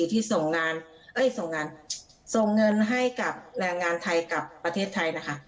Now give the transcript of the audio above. ที่ส่งเงินให้กับแรงงานไทยกับประเทศไทยนะคะ